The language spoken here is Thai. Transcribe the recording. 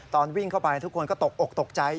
ตอนวิ่งเข้าไปทุกคนก็ตกอกตกใจ